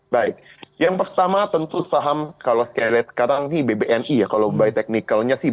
baik yang pertama tentu saham kalau sekarang ini bbni ya kalau buy technicalnya sih